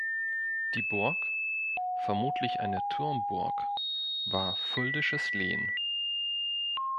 Die Burg, vermutlich eine Turmburg, war fuldisches Lehen.